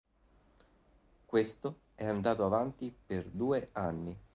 Questo è andato avanti per due anni.